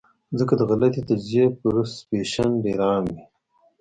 ځکه د غلطې تجزئې پرسپشن ډېر عام وي -